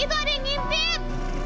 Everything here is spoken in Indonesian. itu ada yang ngipip